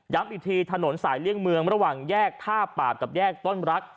อีกทีถนนสายเลี่ยงเมืองระหว่างแยกท่าปาบกับแยกต้นรัก